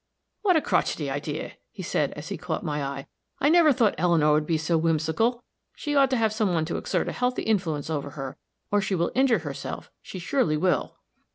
"What a crotchety idea!" he said, as he caught my eye. "I never thought Eleanor would be so whimsical. She ought to have some one to exert a healthy influence over her, or she will injure herself she surely will."